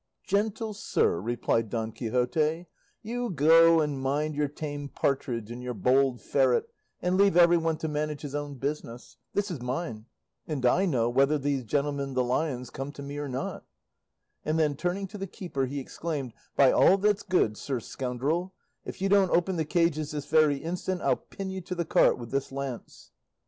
"Gentle sir," replied Don Quixote, "you go and mind your tame partridge and your bold ferret, and leave everyone to manage his own business; this is mine, and I know whether these gentlemen the lions come to me or not;" and then turning to the keeper he exclaimed, "By all that's good, sir scoundrel, if you don't open the cages this very instant, I'll pin you to the cart with this lance."